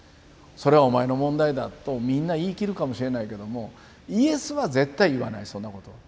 それはお前の問題だとみんな言い切るかもしれないけどもイエスは絶対言わないそんなことは。